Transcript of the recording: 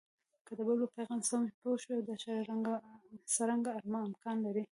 چې د بل په پیغام سم پوه شئ دا چاره څرنګه امکان لري؟